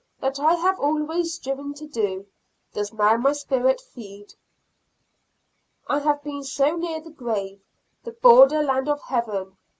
That I have always striven to do, does now my spirit feed. I have been so near the grave, the border land of heaven.